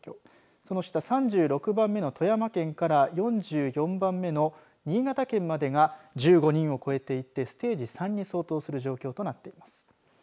その下、３６番目の富山県から４４番目の新潟県までが１５人を超えていてステージ３に相当する状況となっています。